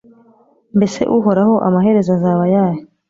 Mbese Uhoraho amaherezo azaba ayahe?